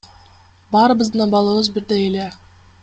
Баарыбыздын абалыбыз бирдей эле.